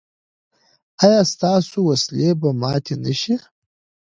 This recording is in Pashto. ایا ستاسو وسلې به ماتې نه شي؟